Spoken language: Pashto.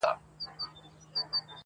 نه به ګرځي لېونی واسکټ په ښار کي!!